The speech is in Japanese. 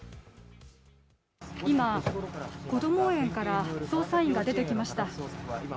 今、こども園から捜査員が出てきました。